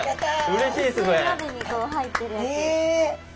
薄い鍋にこう入ってるやつ。